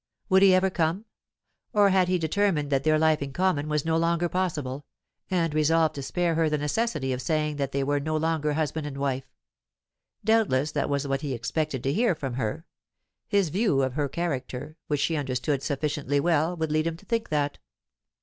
Would he ever come? Or had he determined that their life in common was no longer possible, and resolved to spare her the necessity of saying that they were no longer husband and wife? Doubtless that was what he expected to hear from her; his view of her character, which she understood sufficiently well, would lead him to think that.